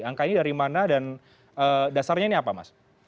angka ini dari mana dan dasarnya ini apa mas